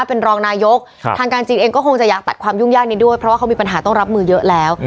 เป็นรองนายกทางการจีนเองก็คงจะอยากตัดความยุ่งยากนี้ด้วยเพราะว่าเขามีปัญหาต้องรับมือเยอะแล้ว